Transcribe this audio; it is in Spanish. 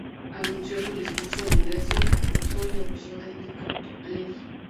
Pronunció su discurso de ingreso, "Uso y abuso del decreto-ley.